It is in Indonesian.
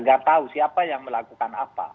nggak tahu siapa yang melakukan apa